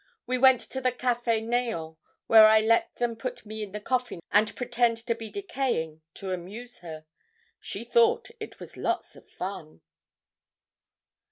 We went to the Cafe "Neant," where I let them put me in the coffin and pretend to be decaying, to amuse her. She thought it was lots of fun.'